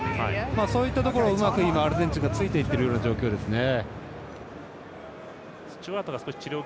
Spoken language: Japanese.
そういったところをうまくアルゼンチンがついていってる状態ですね。